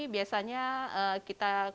biasanya kita kunjungi